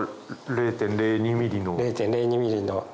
０．０２ｍｍの。